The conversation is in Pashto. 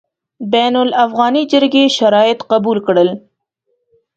بین الافغاني جرګې شرایط قبول کړل.